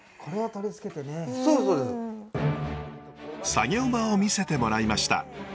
作業場を見せてもらいました。